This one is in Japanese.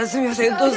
どうぞ！